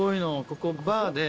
ここバーで。